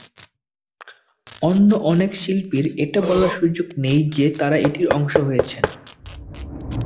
অন্য অনেক শিল্পীর এটা বলার সুযোগ নেই যে তারা এটির অংশ হয়েছেন।